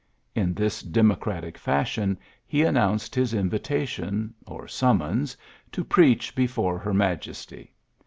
'' In this democratic fashion he announced his invitation or summons to preach be fore Her Majesty.